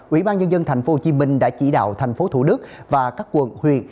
ủy ban nhân dân tp hcm đã chỉ đạo tp thủ đức và các quận huyện